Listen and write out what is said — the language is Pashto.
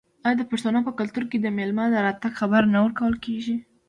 آیا د پښتنو په کلتور کې د میلمه د راتګ خبر نه ورکول کیږي؟